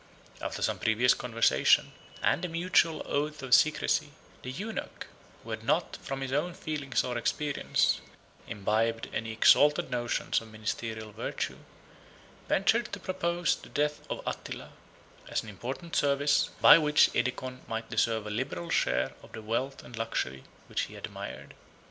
After some previous conversation, and a mutual oath of secrecy, the eunuch, who had not, from his own feelings or experience, imbibed any exalted notions of ministerial virtue, ventured to propose the death of Attila, as an important service, by which Edecon might deserve a liberal share of the wealth and luxury which he admired.